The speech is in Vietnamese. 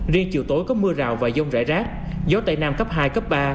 riêng chiều tối có mưa rào và dông rải rác gió tây nam cấp hai cấp ba